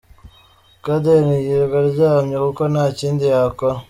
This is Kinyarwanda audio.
Caden yirirwa aryamye kuko nta kindi yakora.